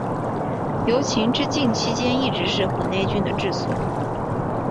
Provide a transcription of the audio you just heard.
由秦至晋期间一直是河内郡的治所。